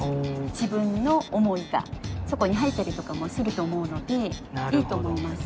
自分の思いがそこに入ったりとかもすると思うのでいいと思います。